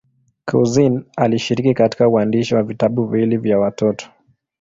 Couzyn alishiriki katika uandishi wa vitabu viwili vya watoto.